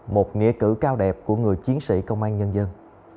một nghĩa cử cao đẹp của người chiến sĩ công an nhân dân